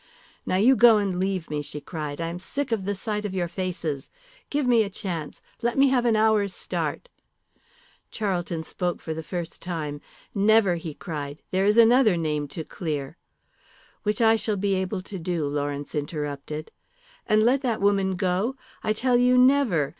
"Now you go and leave me," she cried. "I am sick of the sight of your faces. Give me a chance. Let me have an hour's start." Charlton spoke for the first time. "Never," he cried, "there is another name to clear " "Which I shall be able to do," Lawrence interrupted. "And let that woman go? I tell you never.